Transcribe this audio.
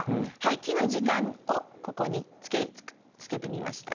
木の時間をここにつけてみました。